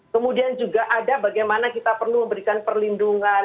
kemudian juga ada bagaimana kita perlu memberikan perlindungan